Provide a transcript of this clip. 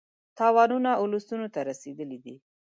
تاوانونه اولسونو ته رسېدلي دي.